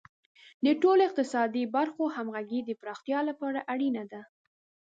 د ټولو اقتصادي برخو همغږي د پراختیا لپاره اړینه ده.